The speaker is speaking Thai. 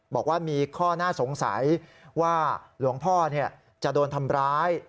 บอกว่ามีข้อน่าสงสัยว่าหลวงพ่อจะโดนทำร้าย